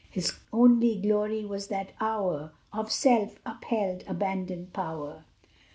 His only glory was that hour Of self upheld abandoned power.